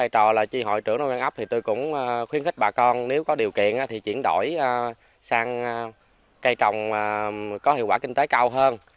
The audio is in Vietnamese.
trò là chi hội trưởng nông doanh áp thì tôi cũng khuyên khích bà con nếu có điều kiện thì chuyển đổi sang cây trồng có hiệu quả kinh tế cao hơn